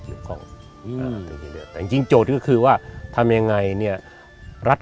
ถูกต้องอืมแต่จริงจริงโจทย์ก็คือว่าทำยังไงเนี่ยรัฐ